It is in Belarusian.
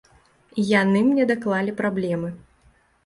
Яны мне даклалі праблемы.